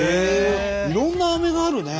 いろんなアメがあるね！